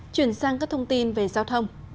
chuyển sang các thông tin về giao thông